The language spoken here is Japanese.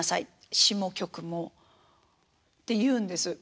詞も曲も」って言うんです。